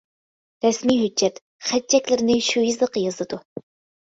رەسمىي ھۆججەت، خەت-چەكلىرىنى شۇ يېزىقتا يازىدۇ.